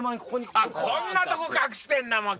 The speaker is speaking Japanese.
あっこんなとこ隠してんだもん